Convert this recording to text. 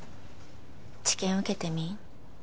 治験受けてみん？